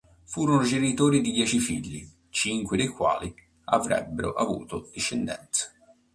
Furono genitori di dieci figli, cinque dei quali avrebbero avuto discendenza.